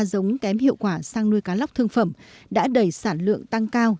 giống kém hiệu quả sang nuôi cá lóc thương phẩm đã đẩy sản lượng tăng cao